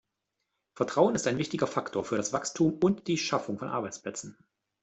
Vertrauen ist ein wichtiger Faktor für das Wachstum und die Schaffung von Arbeitsplätzen.